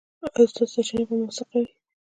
ایا ستاسو سرچینه به موثقه نه وي؟